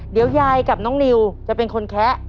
เดี๋ยวยายกับน้องนิวจะเป็นคนแคะ